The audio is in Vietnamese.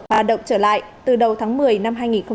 hoạt động trở lại từ đầu tháng một mươi năm hai nghìn hai mươi